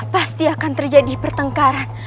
pasti akan terjadi pertengkaran